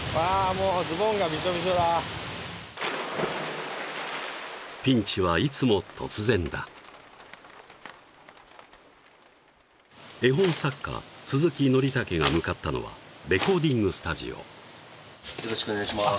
もうズボンがびしょびしょだピンチはいつも突然だ絵本作家・鈴木のりたけが向かったのはレコーディングスタジオよろしくお願いします